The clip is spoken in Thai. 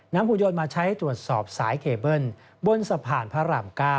หุ่นยนต์มาใช้ตรวจสอบสายเคเบิ้ลบนสะพานพระราม๙